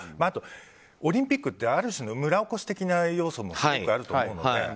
あとオリンピックってある種の村おこし的な要素も強くあると思うので。